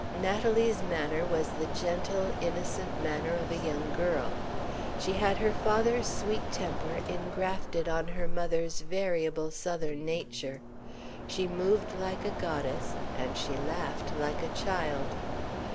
Natalie's manner was the gentle, innocent manner of a young girl. She had her father's sweet temper ingrafted on her mother's variable Southern nature. She moved like a goddess, and she laughed like a child.